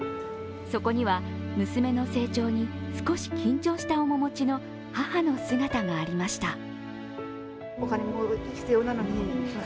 そこには、娘の成長に少し緊張した面持ちの母の姿がありました。